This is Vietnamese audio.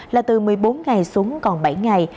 là từ một mươi bốn ngày xuống còn bảy ngày